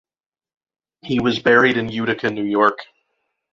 He was buried in Utica, New York.